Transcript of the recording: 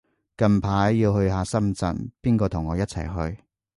近排要去下深圳，邊個同我一齊去